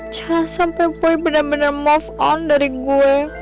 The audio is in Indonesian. jangan sampai boy bener bener move on dari gue